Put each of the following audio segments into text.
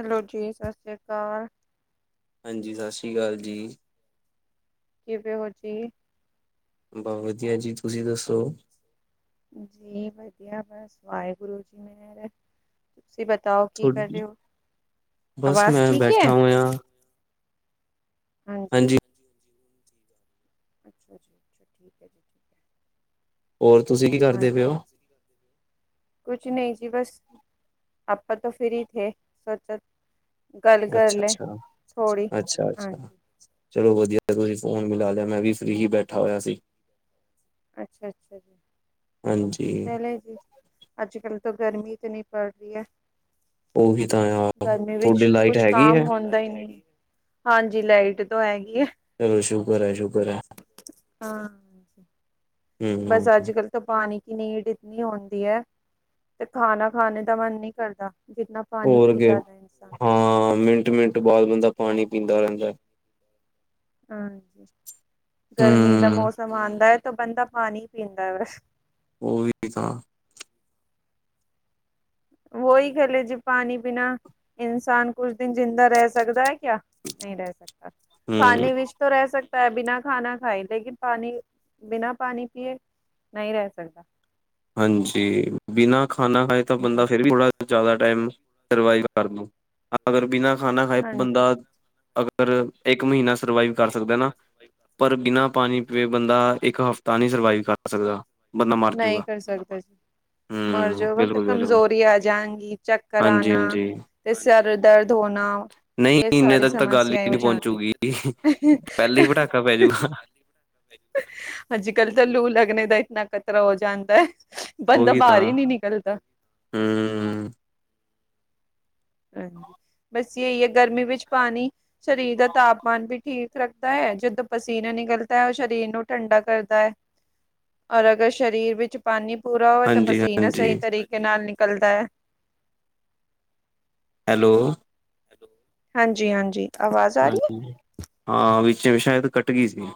Hello ਜੀ, ਸਤਿ ਸ੍ਰੀ ਅਕਾਲ। ਹਾਂਜੀ, ਸਤਿ ਸ਼੍ਰੀ ਅਕਾਲ ਜੀ। ਕਿਵੇਂ ਹੋ ਜੀ? ਬਹੁ ਵਧੀਆ ਜੀ। ਤੁਸੀਂ ਦੱਸੋ? ਜੀ ਵਧੀਆ ਬਸ ਵਾਹਿਗੁਰੂ ਜੀ ਮੇ। ਤੁਸੀਂ ਬਤਾਓ? ਕੀ ਕਰ ਤੁਹਾਡੀ ਰਏ ਓ। ਬਸ ਆਵਾਜ਼ ਮੈਂ ਠੀਕ ਐ? ਬੈਠਾ ਹੋਇਆ ਹਾਂਜੀ। ਅੱਛਾ ਜੀ, ਅੱਛਾ ਠੀਕ ਐ ਜੀ। ਠੀਕ ਹੋਰ ਤੁਸੀਂ ਕੀ ਹੈ ਕਰਦੇ ਪਏ ਹਾਂਜੀ। ਓ? ਕੁਛ ਨਹੀਂ ਜੀ, ਬਸ ਆਪਾਂ ਤੋਂ ਫਰੀ ਥੇ। ਗੱਲ ਕਰ ਅੱਛਾ ਲੈ ਅੱਛਾ ਥੋ੍ਹੀ ਅੱਛਾ ਅੱਛਾ ਹਾਂਜੀ। ਚਲੋ ਵਧੀਆ ਤੁਸੀਂ ਫੋਨ ਮ ਲ ਲਿਆ ਮੈਂ ਵੀ ਫਰੀ ਈ ਬੈਠਾ ਹੋਇਆ ਸੀ। ਅੱਛਾ, ਅੱਛਾ ਜੀ ਹਾਂਜੀ ਚਲ ਜੀ ਅੱਜ ਕਲ ਤਾਂ ਗਰਮੀ ਤੇ ਨੀ ਪੜ ਰਹੀ ਐ। ਉਹੀ ਤਾਂ ਯਾਰ ਗਰਮੀ ਤੁਹਾਡੀ ਵਿੱਚ ਲਾਈਟ ਕੁਛ ਹੈਗੀ ਕਾਮ ਹੈ ਹੁੰਦਾ ਈ ਨੀ ਹਾਂਜੀ ਲਾਈਟ ਤੋਂ ਹੈਗੀ ਆ। ਚਲੋ ਸ਼ੁਕਰ ਐ, ਸ਼ੁਕਰ ਐ। ਹਾਂ ਬਸ ਅੱਜ-ਕੱਲ ਪਾਣੀ ਕੀ ਨੀਂਡ ਇਤਨੀ ਹੁੰਦੀ ਐ, ਤੇ ਖਾਣਾ ਖਾਣੇ ਦਾ ਮਨ ਨਹੀਂ ਕਰਦਾ ਜਿੰਨਾ ਹੋਰ ਕਿ ਹਾਂ ਮਿੰਟ-ਮਿੰਟ ਬਾਅਦ ਬੰਦਾ ਪਾਣੀ ਪੀਂਦਾ ਰਹਿੰਦਾ। ਹਾਂਜੀ, ਗਰਮੀ ਦਾ ਹਮ ਮੌਸਮ ਆਦਾ ਐ ਤਾਂ ਬੰਦਾ ਪਾਣੀ ਪੀਂਦਾ ਐ ਬਸ। ਓ ਈ ਤਾਂ ਵਹੀ ਖਲੇ ਜੀ ਪਾਣੀ ਬਿਨਾ ਇਨਸਾਨ ਕੁਛ ਦਿਨ ਜਿੰਦਾ ਰਹਿ ਸਕਦਾ ਹੈ ਕਿਆ? ਨਈ ਰਹਿ ਸਕਦਾ ਹਮ ਖਾਣੇ ਵਿੱਚ ਰਹਿ ਸਕਤਾ, ਬਿਨਾਂ ਖਾਨਾ ਖਾਏ ਲੇਕਿਨ ਪਾਣੀ ਬਿਨਾਂ ਪਾਣੀ ਪੀਏ ਨਈ ਰਹਿ ਸਕਦਾ। ਹਾਂਜੀ, ਬਿਨਾਂ ਖਾਣਾ ਖਾਏ ਤਾਂ ਬੰਦਾ ਫੇਰ ਵੀ ਥੋੜਾ ਜ਼ਿਆਦਾ ਟਮ ਸਰਵਾਵ ਕਰਦ ਅਗਰ ਬਿਨਾਂ ਖਾਣਾ ਖਏ ਹਾਂਜੀ। ਬੰਦਾ ਫ ਇੱਕ ਮਹੀਨਾ ਸਰਵਾਈਵ ਕਰ ਸਕਦਾ ਨਾ। ਪਰ ਬਿਨਾਂ ਪਾਣੀ ਪੀਵੇ ਬੰਦਾ ਇੱਕ ਹਫ਼ਤਾ ਨਹੀਂ ਸਰਵਾਈਵ ਕਰ ਸਕਦਾ। ਬੰਦਾ ਮਰ ਜੂਗਾ ਨਈ ਕਰ ਸਕਦਾ। ਮਰ ਹੂੰ ਜੋਗਾ ਤਾਂ ਬਿਲਕੁਲ-ਬਿਲਕੁਲ ਕਮਜ਼ੋਰੀ ਆ ਜਾਗੀ, ਚਕਰ ਆਨਾ ਹਾਂਜੀ-ਹਾਂਜੀ ਤੇ ਸਰ ਦਰਦ ਹੋਨਾ ਨਹੀਂ ਇੰਨੇ ਤੱਕ ਤਾਂ ਗੱਲ ਹੀ ਨਹੀਂ ਪਹੁੰਚੂਗੀ ਜਾਣੀ। ਪਹਿਲਾਂ ਹੀ ਪਟਾਕਾ ਪੈਜੂਗਾ। ਅੱਜ ਕੱਲ ਤਾਂ ਲੂ ਲੱਗਣੇ ਦਾ ਇਤਨਾ ਖਤਰਾ ਹੋ ਜਾਂਦਾ ਆ। ਬੰਦਾ ਉਹੀ ਤਾਂ ਬਾਹਰ ਈ ਨੀ ਨਿਕਲਦਾ। ਹੂੰ। ਹਾਂਜੀ ਬਸ ਜਹੀ ਹੈ ਗਰਮੀ ਵਿੱਚ ਪਾਣੀ ਸਰੀਰ ਦਾ ਤਾਪਮਾਨ ਵੀ ਠੀਕ ਰੱਖਦਾ ਹੈ ਜਦੋਂ ਪਸੀਨਾ ਨਿਕਲਦਾ ਹੈ ਉਹ ਸਰੀਰ ਨੂੰ ਠੰਡਾ ਕਰਦਾ ਹੈ। ਔਰ ਅਗਰ ਸਰੀਰ ਵਿੱਚ ਪਾਣੀ ਪੂਰਾ ਹੋਵੇ ਤਾਂ ਪਸੀਨਾ ਹਾਂਜੀ-ਹਾਂਜੀ ਸਹੀ ਤਰੀਕੇ ਨਾਲ ਨਿਕਲਦਾ ਹੈ। ਹੈਲੋ। ਹਾਂਜੀ-ਹਾਂਜੀ। ਹਾਂਜੀ ਹਾਂ ਵਿੱਚ ਸ਼ਾਇਦ ਕੱ [unintelligible] ਟ ਗਈ ਸੀ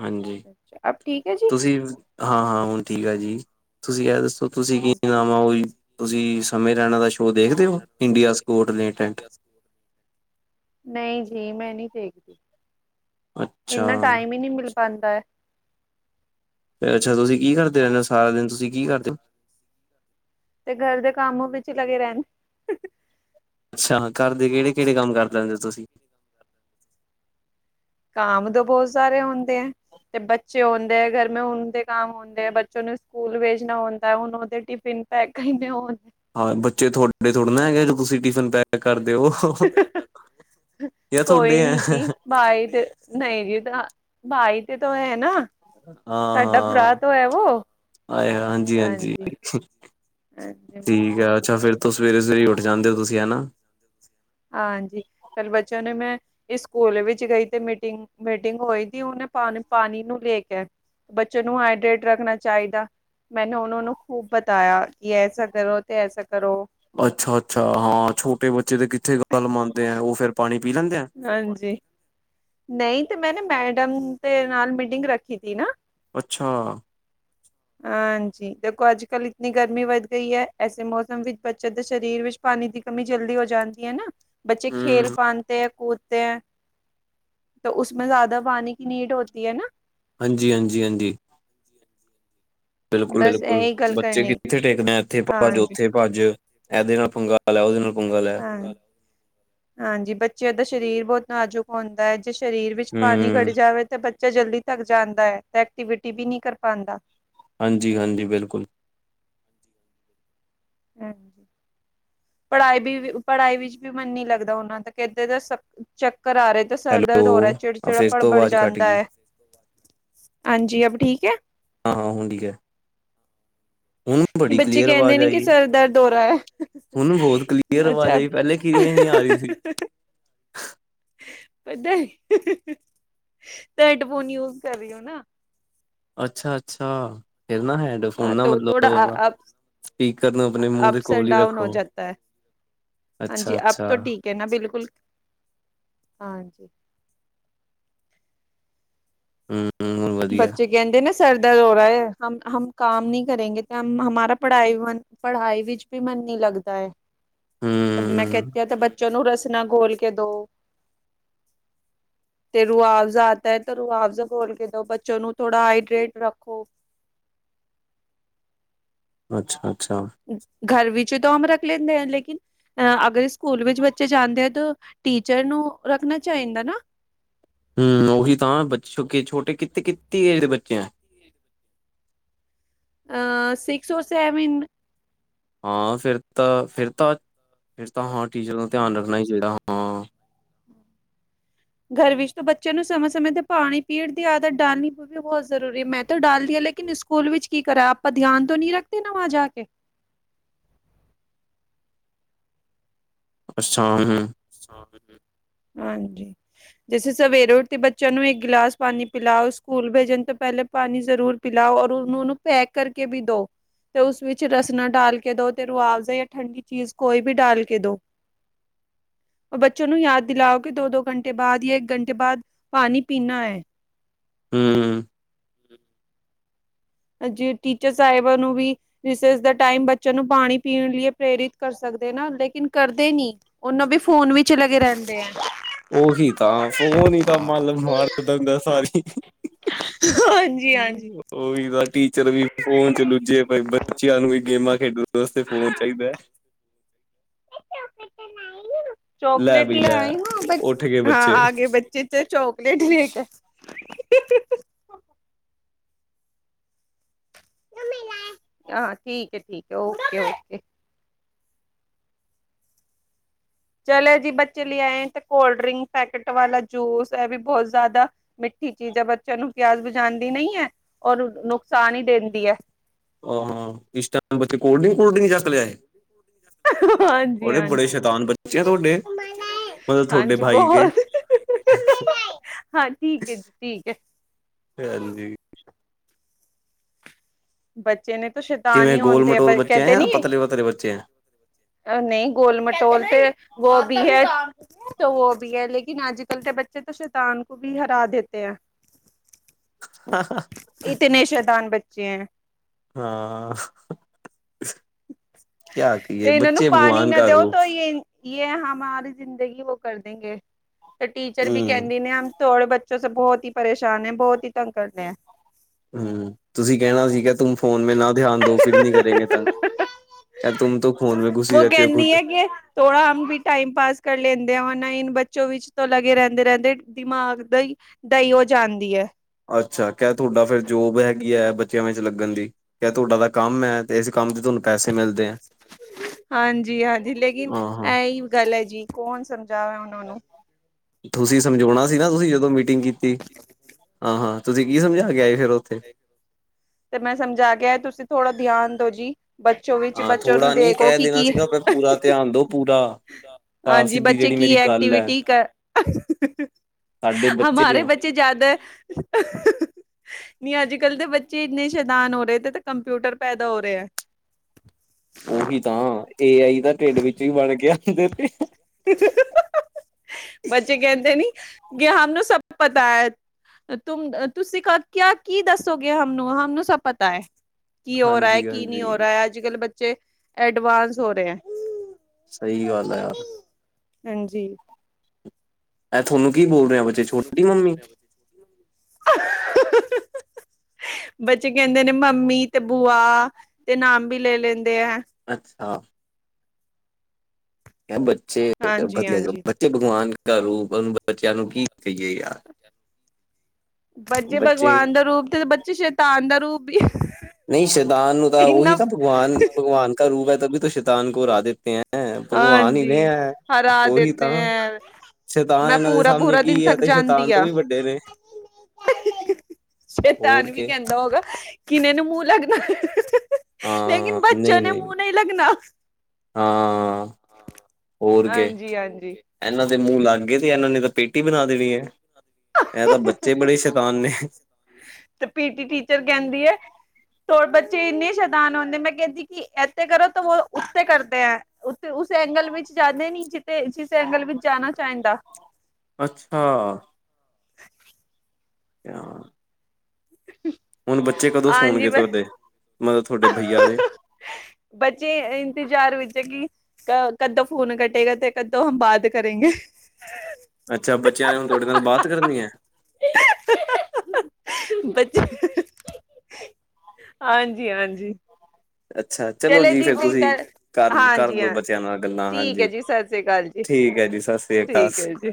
ਹਾਂਜੀ ਅੱਛਾ ਅਬ ਠੀਕ ਹੈ ਜੀ। ਤੁਸੀਂ ਹਾਂ ਹਾਂ ਹੁਣ ਠੀਕ ਆ ਜੀ, ਤੁਸੀਂ ਐ ਦੱਸੋ ਤੁਸੀਂ ਕੀ ਨਾਮ ਹਾਂ ਓਹੀ ਤੁਸੀਂ ਸਮੇਂ ਰਹਿਣਾ ਦਾ ਸ਼ੋਅ ਦੇਖਦੇ ਸਮੇਂ ਹੋ ਲੈ ਦਾ ਸ਼ੋਅ ਇੰਡੀਆ ਦੇਖਦੇ ਹੋ ਸਕੋਟ ਲੇਟੈਂਟ ਇੰਡੀਆ ਸਕ [unintelligible] [inaudible] ਨਹੀਂ ਜੀ ਮੈਂ ਨਹੀਂ ਦੇਖਦੀ ਅੱਛਾ ਇੰਨਾ ਟਾਈਮ ਹੀ ਨਹੀਂ ਮਿਲਦਾ। ਪਾਂਦਾ ਐ। ਅੱਛਾ ਤੁਸੀਂ ਕੀ ਕਰਦੇ ਰਹਿੰਦੇ ਹੋ ਸਾਰਾ ਦਿਨ ਤੁਸੀਂ ਕੀ ਕਰਦੇ ਹੋ? ਤੇ ਗਰ ਦੇ ਕੰਮ ਵਿੱਚ ਲੱਗੇ ਰਹਿਣ ਅੱਛਾ ਅੰਹ ਘਰ ਦੇ ਕਿਹੜੇ ਕਿਹੜੇ ਕੰਮ ਕਰ ਲੈਂਦੇ ਹੋ ਤੁਸੀਂ? ਕਾਮ ਤੋਂ ਬਹੁਤ ਸਾਰੇ ਹੁੰਦੇ ਆ ਤੇ ਬੱਚੇ ਹੁੰਦੇ ਆ ਗਰਮੇ ਹਣ ਦੇ ਕੰਮ ਹੂੰਦੇ ਬੱਚੋ ਨੂੰ ਸਕੂਲ ਵੇਜਣਾ ਹੁੰਦਾ ਹੁਣ ਉਹਦੇ ਟਿਫਿਨ ਪੈਕੇ [unintelligible] ਹਾਂ ਬੱਚੇ ਥੋਡੇ ਥੋੜੇ ਨਾ ਹੈਗੇ ਤੁਸੀਂ ਟਿਫਿਨ ਪੈਕ ਕਰਦੇਓ। ਜਾ ਤੁਹਾਡੇ ਐਂ ਹ ਬਾਈ ਤੇ ਨਹੀਂ ਜੀ ਤਾਂ ਬਾਈ ਤੇ ਤੋ ਹੈ ਨਾ। ਹਾਂ ਸਾਡਾ ਭਰਾ ਹਾਂ ਤੋਂ ਹੈ ਵੋ। ਆਏ ਹਾਂਜੀ ਹਾਂਜੀ। ਹਾਂਜੀ ਠੀਕ ਬਿਲਕੁਲ ਆ ਅੱਛਾ ਫੇਰ ਤੁਸੀ ਸਵੇਰੇ ਸਵੇਰੇ ਉੱਠ ਜਾਂਦੇ ਹੋ ਤੁਸੀਂ ਹਨਾ। ਹਾਂਜੀ ਕੱਲ੍ਹ ਬੱਚਿਆਂ ਨੂੰ ਮੈਂ ਸਕੂਲ ਵਿੱਚ ਗਈ ਤੇ ਮੀਟਿੰਗ ਮੀਟਿੰਗ ਹੋਈ ਤੇ ਉਹਨੇ ਪਾਣੀ ਪਾਣੀ ਨੂੰ ਲੈ ਕੇ ਬੱਚੇ ਨੂੰ ਹਾਈਡਰੇੇਟ ਰੱਖਣਾ ਚਾਹੀਦਾ। ਮੈਨੇ ਉਹੂੰ ਨੂੰ ਖੂਬ ਬਤਾਇਆ ਕਿ ਐਸਾ ਕਰੋ ਤੇ ਐਸਾ ਕਰੋ। ਅੱਛਾ-ਅੱਛਾ ਹਾਂ ਛੋਟੇ ਬੱਚੇ ਤੇ ਕਿੱਥੇ ਗੱਲ ਮੰਨਦੇ ਆ। ਉਹ ਫੇਰ ਪਾਣੀ ਪੀ ਲੈਂਦੇ ਆ? ਹਾਂਜੀ। ਨਹੀਂ ਤੇ ਮੈਂ ਨਾ ਮੈਡਮ ਦੇ ਨਾਲ ਮੀਟਿੰਗ ਰੱਖੀ ਤੀ ਨਾ। ਅੱਛਾ! ਅੱਛਾ [inaudible] ਹਾਂਜੀ। ਦੇਖੋ ਅੱਜ-ਕੱਲ੍ਹ ਇਤਨੀ ਗਰਮੀ ਵੱਧ ਗਈ ਹੈ, ਐਸੇ ਮੌਸਮ ਵਿੱਚ ਬੱਚੇ ਦੇ ਸਰੀਰ ਵਿੱਚ ਪਾਣੀ ਦੀ ਕਮੀ ਜਲਦੀ ਹੋ ਜਾਂਦੀ ਹੈ ਨਾ ਬੱਚੇ ਖੇਲ ਹੂੰ, ਪਾਂਦੇ ਆ ਕੁਦ ਤੇ ਹੈ। ਤਾਂ ਉਸਮੇ ਜ਼ਿਆਦਾ ਪਾਣੀ ਕੀ ਨੀਡ ਹੋਤੀ ਹੈ ਨਾ। ਹਾਂਜੀ-ਹਾਂਜੀ-ਹਾਂਜੀ।। ਬਿਲਕੁਲ-ਬਿਲਕੁਲ ਬੱਚੇ ਕਿੱਥੇ ਟਿਕਦੇ ਆ ਇੱਥੇ ਭੱਜ ਹਾਂਜੀ ਉੱਥੇ ਭੱਜ। ਏਦੇ ਨਾਲ ਪੰਗਾ ਲੈ ਓਦੇ ਨਾਲ ਪੰਗਾ ਲੈ। ਹਾਂਜੀ। ਹਾਂਜੀ, ਬੱਚਿਆਂ ਦਾ ਸਰੀਰ ਬਹੁਤ ਨਾਜ਼ੁਕ ਹੁੰਦਾ ਹੈ ਜੇ ਸਰੀਰ ਵਿੱਚ ਪਾਣੀ ਹੂੰ, ਖੜੀ ਜਾਵੇ ਤਾਂ ਬੱਚਾ ਜਲਦੀ ਥੱਕ ਜਾਂਦਾ ਹੈ ਐਕਟੀਵਿਟੀ ਵੀ ਨਹੀਂ ਕਰ ਪਾਂਦਾ। ਹਾਂਜੀ-ਹਾਂਜੀ ਬਿਲਕੁਲ। ਹਾਂਜੀ। ਪੜ੍ਹਾਈ ਵੀ ਪੜ੍ਹਾਈ ਵਿੱਚ ਵੀ ਮਨ ਨੀ ਲੱਗਦਾ ਓਨਾ ਦਾ ਕੇਂਦੇ ਦ ਚੱਕਰ ਆ ਰਿਹੇ। ਸਰ ਹੈਲੋ ਦਰਦ ਹੋਰ ਹੈ ਆ ਚਿੜਚਿੜਾ ਫਿਰ ਪੜ ਤੋਂ ਬੜ ਆਵਾਜ਼ ਕੱਟ ਜਾਤਾ ਗਈ ਹੈ। ਹਾਂਜੀ ਅਬ ਠੀਕ ਹੈ। ਹਾਂ-ਹਾਂ ਹੁਣ ਠੀਕ ਹੈ। [unintelligible] ਬੱਚੇ ਕਲੀਅਰ ਕਹਿੰਦੇ ਆਵਾਜ਼ ਨੇ ਕਿ ਆਈ ਸਿਰ ਦਰਦ ਹੋ ਰਿਹਾ ਹੈ, ਹੁਣ ਬਹੁਤ ਕਲੀਅਰ ਆਵਾਜ਼ ਅੱਛਾ ਆਈ ਪਹਿਲੇ ਕਿਵੇਂ ਨੀ ਆ ਰਹੀ ਸੀ। ਪਤਾ ਹੈਡਫੋਨ ਯੂਜ ਕਰ ਰਹੇ ਹੋ ਨਾ। ਅੱਛਾ-ਅੱਛਾ, ਫੇਰ ਨਾ ਤੁਹਾਡੇ ਫੋਨ ਹਾਂ ਨਾ ਤਾਂ ਥੋੜਾ ਮਤਲਬ ਆਪ ਸਪੀਕਰ ਨੂੰ ਆਪਣੇ ਮੂੰਹ ਦੇ ਅਪਸ ਕੋਲ ਐਂਡ ਹੀ ਡਾਊਨ ਹੋ ਰੱਖੋ। ਜਾਤਾ ਹੈ ਹਾਂਜੀ ਅਬ ਅੱਛਾ-ਅੱਛਾ, ਠੀਕ ਹੈ ਨਾ, ਬਿਲਕੁਲ ਹਾਂਜੀ। ਹੂੰ, ਹੁਣ ਵਧੀਆ ਬੱਚੇ ਕਹਿੰਦੇ ਨਾ ਸਰ ਦਰਦ ਹੋ ਰਿਹਾ ਹੈ ਹਮ ਕੰਮ ਨਹੀਂ ਕਰੇਗੇ, ਤੇ ਹਮਾਰਾ ਪੜ੍ਹਾਈ ਵਨ ਪੜ੍ਹਾਈ ਵਿੱਚ ਵੀ ਮਨ ਨੀ ਲੱਗਦਾ ਹੈ, ਤੇ ਮੈਂ ਹੂੰ, ਕਹਿਤੀ ਆ ਤੇ ਬੱਚਿਆਂ ਨੂੰ ਰ ਨਾ ਗੋਲ ਕੇ ਦੋ ਤੇ ਰੁਆਵਜ਼ਾ ਆਤਾ ਹੈ, ਤੇ ਰੁਆਵਜ਼ਾ ਬੋਲ ਕੇ ਬੱਚੋ ਨੂੰ ਥੋੜਾ ਹਾਈਡਰੇਟ ਰੱਖੋ। ਅੱਛਾ, ਅੱਛਾ, ਘਰ ਵਿੱਚ ਤਾਂ ਆਮ ਰੱਖ ਲੈਂਦੇ ਆ ਲੇਕਿਨ ਅ ਅਗਰ ਸਕੂਲ ਵਿੱਚ ਬੱਚੇ ਜਾਂਦੇ ਆ ਤਾਂ ਟੀਚਰ ਨੂੰ ਰੱਖਣਾ ਚਾਹੀਦਾ ਨਾ ਹੂੰ, ਉਹੀ ਤਾਂ ਬਚੇ ਛੋਟੇ ਕਿੱਤੇ-ਕਿੱਤੀ ਏਜ ਦੇ ਬੱਚੇ ਆ। ਅ ਸਿਕਸ ਔਰ ਸੇਵਨ ਹਾ ਫਿਰ ਤਾ ਫਿਰ ਤਾ ਫਿਰ ਤਾ ਹਾ ਟੀਚਰ ਨੂੰ ਧਿਆਨ ਰੱਖਣਾ ਹੀ ਚਾਹੀਦਾ ਹਾ। ਘਰ ਵਿਚ ਤੇ ਬੱਚਿਆਂ ਨੂੰ ਸਮੇਂ-ਸਮੇਂ ਤੇ ਪਾਣੀ ਪੀਣ ਦੀ ਆਦਤ ਡਾਲਣੀ ਵੀ ਬਹੁਤ ਜ਼ਰੂਰੀ ਮੈਂ ਤਾ ਡਾਲਦੀ ਲੇਕਿਨ ਸਕੂਲ ਵਿੱਚ ਕੀ ਕਰਾ ਆਪਾ ਧਿਆਨ ਤੋਂ ਨੀ ਰੱਖਦੇ ਨਾ ਵਾ ਜਾ ਕੇ। ਅੱਛਾ ਹਾਂਜੀ ਜੇਸੇ ਸਵੇਰੇ ਉੱਠ ਕੇ ਬੱਚਿਆ ਨੂੰ ਇੱਕ ਗਿਲਾਸ ਪਾਣੀ ਪਿਲਾਓ ਸਕੂਲ ਭੇਜਣ ਤੋ ਪਹਿਲੇ ਪਾਣੀ ਜ਼ਰੂਰ ਪਿਲਾਓ ਔਰ ਉਹਨੂੰ ਨੂੰ ਪੈਕ ਕਰਕੇ ਵੀ ਦੋ। ਅਤੇ ਉਸ ਵਿੱਚ ਰਸਣਾ ਡਾਲ ਕੇ ਦਿਉ ਤੇ ਰੁਆਵਜ਼ਾ ਜਾਂ ਠੰਡੀ ਚੀਜ਼ ਕੋਈ ਵੀ ਡਾਲ ਕੇ ਦੋ। ਬੱਚੇ ਨੂੰ ਯਾਦ ਦਿਲਾਓ ਕਿ ਦੋ-ਦੋ ਘੰਟੇ ਬਾਅਦ ਜਾਂ ਇੱਕ ਘੰਟੇ ਬਾਅਦ ਪਾਣੀ ਪੀਣਾ ਹੈ। ਹਮ ਜੇ ਟੀਚਰ ਸਾਹਿਬਾਂ ਨੂੰ ਵੀ ਦਿਸ ਇਜ਼ ਦਾ ਟਾਈਮ, ਬੱਚਿਆਂ ਨੂੰ ਪਾਣੀ ਪੀਣ ਲਈ ਪ੍ਰੇਰਿਤ ਕਰ ਸਕਦੇ ਨਾ, ਲੇਕਿਨ ਕਰਦੇ ਨ ਉਹਨੂੰ ਵੀ ਫੋਨ ਵੀ ਚ ਲਗੇ ਰਹਿੰਦੇ ਆ ਔ ਹੀ ਤਾਂ ਫੋਨ ਹੀ ਤਾਂ, ਮੱਲ ਮਾਰ ਦਿੰਦਾ ਸਾਰੀ ਹਾਂਜੀ ਹਾਂਜੀ ਉਹ ਵੀ ਤਾਂ ਟੀਚਰ ਵੀ ਫੋਨ ਚ ਲੁੱਝੇ ਪਏ, ਬੱਚਿਆਂ ਨੂੰ ਵੀ ਗੇਮਾਂ ਖੇਡਣ ਵਾਸਤੇ ਫੋਨ ਚਾਹੀਦਾ ਹੈ ਚੋਕਲੇਟ ਲੈ ਆਈ ਵਾਪਸ? ਉੱਠ ਗਏ ਹਾਂ ਬੱਚੇ। ਆ ਗਏ ਬੱਚੇ ਤੇ ਚੋਕਲੇਟ ਵੇਖ ਹਾਂ, ਠੀਕ ਹੈ, ਠੀਕ ਹੈ, ਓਕੇ ਓਕੇ ਚਲ ਜੀ, ਬੱਚੇ ਲੇ ਆਏ, ਤੇ ਕੋਲਡ ਡਰਿੰਕ ਪੈਕੇਟ ਵਾਲਾ ਜੂਸ, ਹੈ ਵੀ ਬਹੁਤ ਜ਼ਿਆਦਾ ਮਿੱਠੀ ਚੀਜ਼ ਹੈ, ਬੱਚਿਆਂ ਨੂੰ ਪਿਆਸ ਵਜਾਉਦੀ ਨਹੀਂ ਹੈ, ਔਰ ਨੁਕਸਾਨ ਹੀ ਦਿੰਦੀ ਹੈ ਇਸ ਟਾਈਮ ਬੱਚੇ ਕੋਲਡ ਡਿੰਕ, ਕੋਲਡ ਡਿੰਕ ਚੱਕ ਲੇ ਆਏ। ਹਾਂਜੀ ਹਾਂਜੀ ਬੜੇ ਸ਼ੈਤਾਨ ਬੱਚੇ ਆ ਤੁਹਾਡੇ ਹਾਂਜੀ ਬਹੁਤ ਮਤਲਬ ਹਾਂ ਠੀਕ ਹੈ ਜੀ ਠੀਕ ਹੈ [unintelligible] ਹਾਂਜੀ ਬੱਚੇ ਨੇ ਤੂੰ ਸ਼ੈਤਾਨ ਕਿਵੇਂ ਹੀ ਐ, ਗੋਲ ਮਟੋਲ ਦੇ ਬੱਚੇ ਹੈ ਕਹਿੰਦੇ ਨੀ ਜਾਂ ਪਤਲੇ ਪਤਲੇ ਬੱਚੇ ਹੈ ਨਹੀਂ ਗੋਲ ਮਟੋਲ ਤੇ, ਵੋ ਭੀ ਹੈ ਉਹ ਵੀ ਹੈੇ, ਲੇਕਿਨ ਆਜ ਕਲ ਦੇ ਬੱਚੇ ਤਾਂ ਸ਼ੈਤਾਨ ਕੋ ਵੀ ਹਰਾ ਦੇਤੇ ਹੈ। [unintelligible] ਹਾਂ ਕਿਆ ਕਹੀਏ ਤੇ ਇਹਨਾਂ ਨੂੰ ਬੱਚੇ ਪਾਣੀ ਭਗਵਾਨ ਨਾ ਕਾ ਦਿਓ, ਰੂਪ ਤਾਂ ਯੇ ਯ ਹਮਾਰੀ ਜ਼ਿੰਦਗੀ ਉਹ ਕਰ ਦਿੰਗੇ, ਤੇ ਟੀਚਰ ਵੀ ਹਮ ਕਹਿੰਦੀ ਨੇ ਥੋੜੇ ਬੱਚੋ ਬਹੁਤ ਹੀ ਪਰੇਸ਼ਾਨ ਹੈ, ਬਹੁਤ ਹੀ ਤੰਗ ਕਰਦੇ ਹੈ ਹੂ, ਤੁਸੀਂ ਕਹਿਣਾ ਸੀਗਾ ਤੂੰ ਫੋਨ ਮੇ ਨਾ ਧਿਆਨ ਦੋ, ਫਿਰ ਨੀ ਕਰੇਗੇ ਤੰਗ ਯਾਰ ਤੂਮ ਤੋ ਉਹ ਕਹਿੰਦੀ ਹੈ ਕਿ ਥੋੜਾ ਹਮ ਬੀ ਟਾਈਮ ਪਾਸ ਕਰ ਲੈਂਦੇ ਆ ਨਾ, ਇਨ ਬੱਚੋ ਵਿੱਚ ਤਾਂ ਲੱਗੇ ਰਹਿੰਦੇ ਰਹਿੰਦੇ, ਦਿਮਾਗ ਦਾ ਹੀ ਦਈਓ ਜਾਂਦੀ ਹੈ ਅੱਛਾ, ਕਿਆ ਤੁਹਾਡਾ ਫਿਰ ਜੋਬ ਹੈਗੀ ਹੈ, ਬੱਚਿਆਂ ਵਿੱਚ ਲੱਗਣ ਦੀ। ਕ ਤੁਹਾਡਾ ਤਾਂ ਕੰਮ ਹੈ, ਤੇ ਇਸ ਕੰਮ ਚ ਤੁਹਾਨੂੰ ਪੈਸੇ ਮਿਲਦੇ ਆ ਹਾਂਜੀ ਹਾਂਜੀ ਲੇਕਿਨ ਹਾਂ ਹਾਂ ਇਹੀ ਗੱਲ ਹੈ ਜੀ, ਕੌਣ ਸਮਝਾਵ ਉਹਨਾਂ ਨੂੰ ਤੁਸੀਂ ਸਮਝਾਉਣਾ ਸੀ ਨਾ ਤੁਸੀਂ ਜਦੋਂ ਮੀਟਿੰਗ ਕੀਤੀ, ਹਾਂ ਹਾਂ ਤੁਸੀਂ ਕੀ ਸਮਝਾ ਕੇ ਆਏ, ਫਿਰ ਉੱਥੇ ਤੇ ਮੈਂ ਸਮਝਾ ਕੇ ਆਯਾ, ਤੁਸੀਂ ਥੋੜ੍ਹਾ ਧਿਆਨ ਦੋ ਜੀ ਬੱਚੋ ਵਿੱਚ, ਹਾਂ ਬੱਚੋ ਨੂੰ ਥੋੜਾ ਨੀ ਦੇਖੋ ਕਹਿ ਕਿ ਦੇਣਾ ਕੀ ਸੀਗਾ ਪਰ ਪੂਰਾ ਧਿਆਨ ਦੋ ਪੂਰਾ ਆਪ, ਹਾਂਜੀ ਸਿੱਧੀ ਬੱਚੇ ਜਿਹੜੀ ਕੀ ਮੇਰੀ ਗੱਲ ਹੈ ਐਕਟੀਵਿਟੀ ਕਰ ਸਾਡੇ ਬੱਚੇ ਦੇ ਮਾਰੇ ਆ ਬੱਚੇ ਜਦ। ਨਹੀਂ ਅੱਜ-ਕੱਲ੍ਹ ਦੇ ਬੱਚੇ ਇੰਨੇ ਸ਼ੈਦਾਨ ਹੋ ਰਹੇ ਤੇ ਤੇ ਕੰਪਿਊਟਰ ਪੈਦਾ ਹੋ ਰਹੇ ਹੈ। ਉਹੀ ਤਾਂ ਏ ਆਈ ਤਾਂ ਢਿੱਡ ਵਿੱਚ ਹੀ ਬਣ ਕੇ ਆਦੇ ਤੇ। ਬੱਚੇ ਕਹਿੰਦੇ ਨੀ ਕਹਿਦੇ ਨੀ ਹਮੇ ਸਭ ਪਤਾ ਹੈ। ਤੁ ਤੁਸੀਂ ਕਿਆ ਕੀ ਦੱਸੋਗੇ, ਹੂੰ-ਹੂੰ ਸਭ ਪਤਾ ਹੈ। ਕੀ ਹੋ ਰਿਹਾ ਹੈ, ਹਾਂਜੀ ਕੀ ਨਹੀਂ ਹੋ ਹਾਂਜੀ ਰਿਹਾ ਹੈ, ਅੱਜ-ਕਲ ਬੱਚੇ ਐਡਵਾਂਸ ਹੋ ਰਹੇ ਹੈ। ਸਹੀ ਗੱਲ ਹੈ ਯਾਰ। ਹਾਂਜੀ। ਇਹ ਥੋਨੂੰ ਕੀ ਬੋਲ ਰਿਹਾ ਬੱਚੇ ਛੋਟੀ ਮੰਮੀ [unintelligible] ਬੱਚੇ ਕਹਿੰਦੇ ਨੇ ਮੰਮੀ ਤੇ ਬੁਆ ਤੇ ਨਾਮ ਵੀ ਲੈ ਲੈਂਦੇ ਐ। ਅੱਛਾ। ਕ ਬੱਚੇ ਹਾਂਜੀ ਵਧੀਆ ਹਾਂਜੀ ਬੱਚੇ ਭਗਵਾਨ ਕ ਰੂਪ ਬੱਚਿਆਂ ਨੂੰ ਕੀ ਕਹੀਏ ਯਾਰ। ਬੱਚੇ ਭਗਵਾਨ ਦਾ ਰੂਪ ਤੇ ਬੱਚੇ ਸ਼ੈਤਾਨ ਦਾ ਰੂਪ ਵੀ। ਨਹੀਂ ਸ਼ੈਤਾਨ ਨੂੰ ਤਾਂ ਉਹੀ ਇੰਨਾ ਤਾਂ ਭਗਵਾਨ-ਭਗਵਾਨ ਕਾ ਰੂਪ ਹੈ, ਤਭੀ ਸ਼ੈਤਾਨ ਕੋ ਉਰਾ ਦੇਤੇ ਹੈ। ਹੈਂ ਭਗਵਾਨ ਹੀ ਨੇ ਹਾਂਜੀ ਹੈ, ਹਰਾ ਉਹੀ ਦੇਤੇ ਤਾਂ। ਹੈ ਸ਼ੈਤਾਨ ਮੈਂ ਇਹਨਾਂ ਦੇ ਪੂਰਾ ਸਾਹਮਣੇ ਪੂਰਾ ਦਿਨ ਕੀ ਐ ਥੱਕ ਤੇ ਜਾਂਦੀ ਸ਼ੈਤਾਨ ਤੋਂ ਆ ਵੀ ਵੱਡੇ ਨੇ। ਹੋਰ ਸ਼ੈਤਾਨ ਵੀ ਕੇ ਕਹਿੰਦਾ ਹੋਗਾ। ਕਿਨੇ ਨੂੰ ਮੂੰਹ ਲੱਗਣਾ, ਲੇਕਿਨ ਹਾਂ ਬੱਚਿਆਂ ਨਹੀਂ ਨੇ ਮੂੰਹ ਨਹੀਂ ਲੱਗਣਾ। ਹਾਂ, ਹੋਰ ਕਿ। ਹਾਂਜੀ-ਹਾਂਜੀ ਇਹਨਾਂ ਦੇ ਮੂੰਹ ਲੱਗ ਗਏ, ਤੇ ਇਹਨਾਂ ਨੇ ਤਾਂ ਪੇਟੀ ਬਣਾ ਦੇਣੀ ਐਂ। ਇਹ ਤਾਂ ਬੱਚੇ ਬੜੇ ਸ਼ੈਤਾਨ ਨੇ। ਤੇ ਪੀਟੀ ਟੀਚਰ ਕਹਿੰਦੀ ਐ। ਤੋ ਬੱਚੇ ਇੰਨੀ ਸ਼ੈਤਾਨ ਹੁੰਦੇ, ਮੈਂ ਕਹਦੀ ਕਿ ਇੱਥੇ ਕਰੋ ਤਾਂ ਉਹ ਉਸਤੇ ਕਰਦੇ ਹੈ। ਉੱਥੇ ਉਸ ਐਂਗਲ ਵਿੱਚ ਜਾਂਦੇ ਨੀ, ਜਿੱਥੇ ਜਿਸ ਐਂਗਲ ਵਿੱਚ ਜਾਣਾ ਚਾਹੀਦਾ। ਅੱਛਾ। [inaudible] [inaudible] ਹੁਣ ਬੱਚੇ ਕਦੋਂ ਹਾਂਜੀ ਸੌਣਗੇ, ਬਸ ਤੁਹਾਡੇ ਮਤਲਬ ਤੁਹਾਡੇ ਬਈਆ ਦੇ। ਬੱਚੇ ਇੰਤਜ਼ਾਰ ਵਿੱਚ ਕਿ ਕੱਦੋਂ ਫੋਨ ਕਟੇਗਾ ਤੇ ਕੱਦੋਂ ਹ ਬਾਦ ਕਰੇਗੇ। ਅੱਛਾ ਬੱਚਿਆਂ ਨੇ ਹੁਣ ਤੁਹਾਡੇ ਨਾਲ ਬਾਤ ਕਰਨੀ ਹੈ। ਬੱਚੇ ਹਾਂਜੀ, ਹਾਂਜੀ। ਅੱਛਾ ਚਲੋ ਜੀ, ਫ਼ੇਰ ਤੁਸੀਂ ਕਰ ਕਰ ਕਰ ਹਾਂਜੀ ਦੋ ਹਾਂ ਬੱਚਿਆਂ ਨਾਲ ਗੱਲਾਂ ਠੀਕ ਹੈ ਹਾਂਜੀ। ਜੀ ਸਤਿ ਸ੍ਰੀ ਅਕਾਲ ਜੀ ਠੀਕ ਹੈ ਜੀ, ਸਾਸਰਿਆ ਠੀਕ ਹੈ ਜੀ।